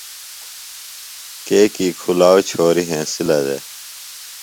کیکی کُھلاؤ چھوریۡ ہنسِلہ دےۡ۔